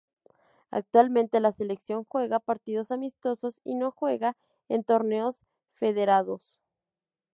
Actualmente la selección juega partidos amistosos y no juega en torneos federados.